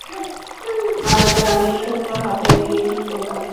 আজ আমি শূন্য হাতে গিয়ে কী করব?